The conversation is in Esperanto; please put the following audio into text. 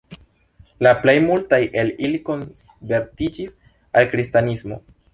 La plej multaj el ili konvertiĝis al kristanismo.